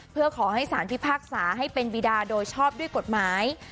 เพื่อขอให้สารพิพากษาให้เป็นบีดาโดยชอบด้วยกฎหมาย